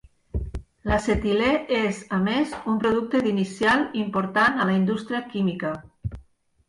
L'acetilè és, a més, un producte d'inicial important a la indústria química.